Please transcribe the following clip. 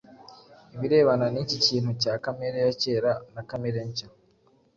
ibirebana n’iki kintu cya kamere ya kera na kamere nshya.